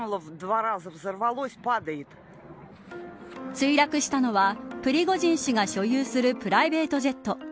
墜落したのはプリゴジン氏が所有するプライベートジェット。